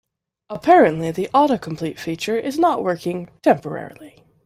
Apparently, the autocomplete feature is not working temporarily.